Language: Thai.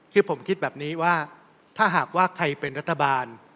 คือผมคิดแบบนี้ว่าถ้าหากว่าใครเป็นรัฐบาล